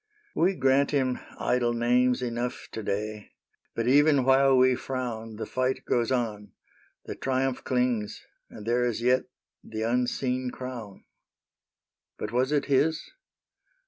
We grant him idle names enough To day, but even while we frown The fight goes on, the triumph clings. And there is yet the unseen crown. But was it his